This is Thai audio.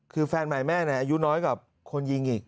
คือแฟนใหม่แม่อายุน้อยกว่าคนยิงอีก